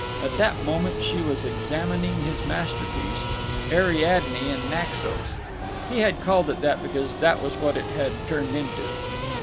At that moment she was examining his masterpiece, "Ariadne in Naxos." He had called it that because that was what it had turned into.